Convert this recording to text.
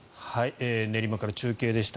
練馬から中継でした。